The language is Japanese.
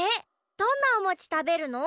どんなおもちたべるの？